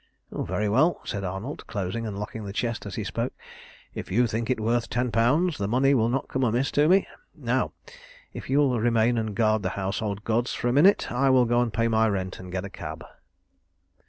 "Very well," said Arnold, closing and locking the chest as he spoke, "if you think it worth ten pounds, the money will not come amiss to me. Now, if you will remain and guard the household gods for a minute, I will go and pay my rent and get a cab."